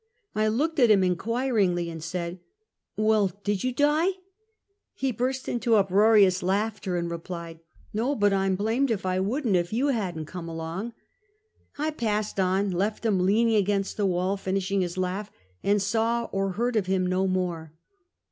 I looked at him inquiringly, and said: « Well, did you die?" He burst into uproarious laughter, and replied : "No, but I 'm blamed if I would n't, if you had n't come along." I passed on, left him leaning against the wall fin ishing his laugh, and saw or heai'd of him no more.